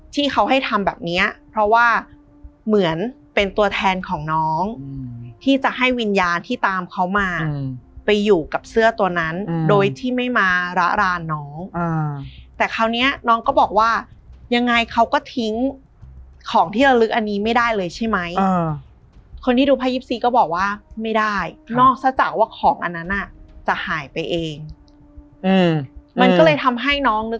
ที่เขาให้ทำแบบเนี้ยเพราะว่าเหมือนเป็นตัวแทนของน้องที่จะให้วิญญาณที่ตามเขามาไปอยู่กับเสื้อตัวนั้นโดยที่ไม่มาระรานน้องแต่คราวนี้น้องก็บอกว่ายังไงเขาก็ทิ้งของที่ระลึกอันนี้ไม่ได้เลยใช่ไหมคนที่ดูไพ่๒ซีก็บอกว่าไม่ได้นอกจากว่าของอันนั้นอ่ะจะหายไปเองมันก็เลยทำให้น้องนึก